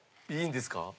いいんですか？